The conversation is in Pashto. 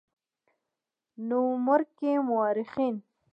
نومورکي مؤرخين